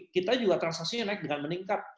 kita juga transaksinya naik dengan meningkat